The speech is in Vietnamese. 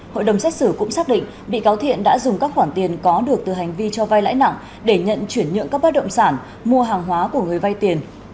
hội đồng xét xử cũng xác định bị cáo thiện đã dùng các khoản tiền có được từ hành vi cho vai lãi nặng để nhận chuyển nhượng các bác động sản mua hàng hóa của người vay tiền